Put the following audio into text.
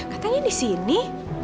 katanya di sini